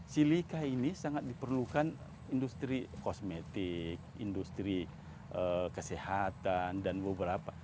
silika ini sangat diperlukan industri kosmetik industri kesehatan dan beberapa